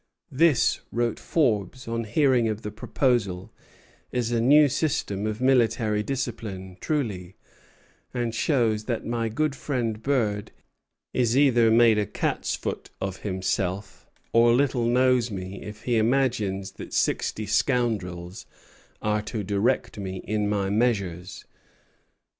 "This," wrote Forbes, on hearing of the proposal, "is a new system of military discipline truly, and shows that my good friend Burd is either made a cat's foot of himself, or little knows me if he imagines that sixty scoundrels are to direct me in my measures."